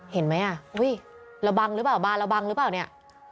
เห็นไหมอ่ะอุ้ยระบังหรือเปล่าบานระบังหรือเปล่าเนี่ย